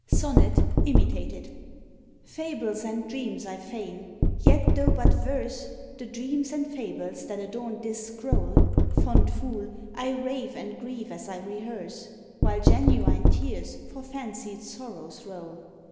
_ SONNET IMITATED. Fables and dreams I feign; yet though but verse The dreams and fables that adorn this scroll, Fond fool! I rave, and grieve as I rehearse; While GENUINE TEARS for FANCIED SORROWS roll.